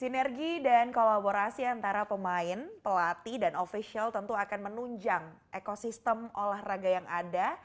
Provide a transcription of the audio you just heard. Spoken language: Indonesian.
sinergi dan kolaborasi antara pemain pelatih dan ofisial tentu akan menunjang ekosistem olahraga yang ada